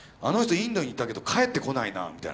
インドに行ったけど帰ってこないなみたいな。